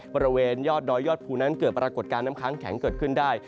บริเวณยอดดอยยอดภูนั้นเกิดปรากฏการณ์น้ำค้างแข็งเกิดขึ้นได้